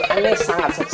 aneh sangat setuju